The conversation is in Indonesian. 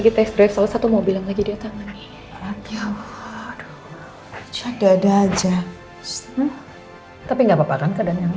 gak ada luka yang parah kan